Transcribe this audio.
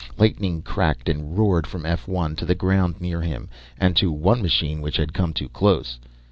Lightning cracked and roared from F 1 to the ground near him, and to one machine which had come too close.